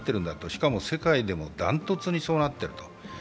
しかも世界でも断トツでそうなっていると。